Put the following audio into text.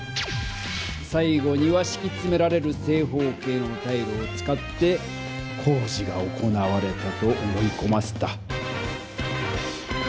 さい後にはしきつめられる正方形のタイルを使って工事が行われたと思いこませた。